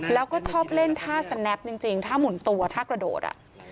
แล้วก็ชอบเล่นท่าสแนปจริงถ้าหมุนตัวถ้ากระโดด